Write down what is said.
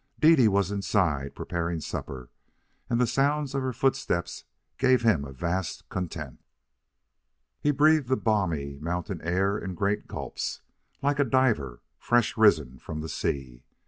Dede was inside, preparing supper, and the sound of her footsteps gave him a vast content. He breathed the balmy mountain air in great gulps, like a diver fresh risen from the sea.